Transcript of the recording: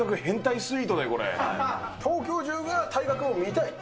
東京中が体格を見たい。